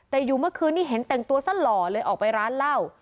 แต่อยู่เมื่อคืนนี้เห็นแต่งตัวสั้นหล่อเลยออกไปร้านเหล้า